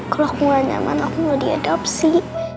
kalau aku mulai nyaman aku mau diadopsi